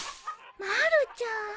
まるちゃん。